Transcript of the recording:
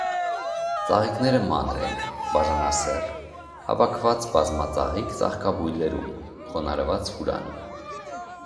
Ծաղիկները մանր են, բաժանասեռ՝ հավաքված բազմածաղիկ ծաղկաբույլերում (խոնարհված հուրան)։